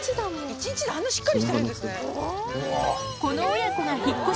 １日であんなしっかりしてるんですね。